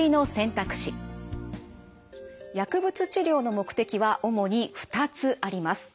薬物治療の目的は主に２つあります。